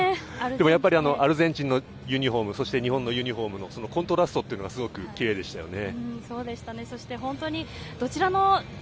でもやっぱりアルゼンチンのユニホーム、そして日本のユニホームのそのコントラストというのが、すごくきれいでしたよね。